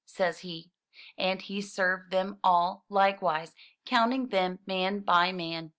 says he, and he served them all likewise, counting them man by man.